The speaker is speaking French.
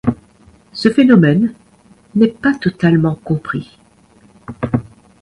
Ce phénomène n'est pas totalement compris.